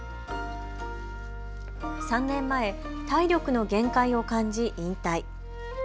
３年前、体力の限界を感じ引退。